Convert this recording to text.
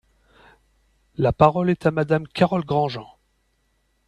La parole est à Madame Carole Grandjean.